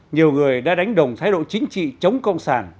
nhiều người đã đánh đồng thái độ chính trị chống cộng sản